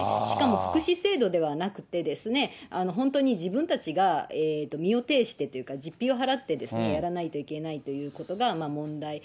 しかも福祉制度ではなくて、本当に自分たちが身をていしてというか、実費を払ってやらないといけないということが問題。